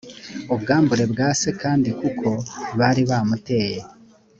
ubwambure bwa se kandi kuko bari bamuteye